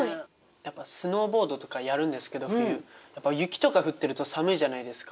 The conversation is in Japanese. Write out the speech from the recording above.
やっぱスノーボードとかやるんですけど冬やっぱ雪とか降ってると寒いじゃないですか。